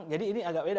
jadi ini agak beda